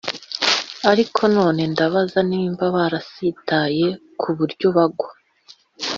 ariko none ndabaza niba barasitaye ku buryo bagwa